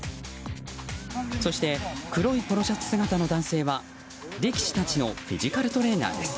そして黒いポロシャツ姿の男性は力士たちのフィジカルトレーナーです。